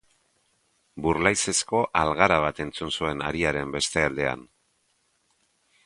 Burlaizezko algara bat entzun zuen hariaren beste aldean.